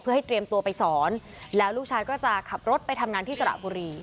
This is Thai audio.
เพื่อให้เตรียมตัวไปสอนแล้วลูกชายก็จะขับรถไปทำงานที่สระบุรี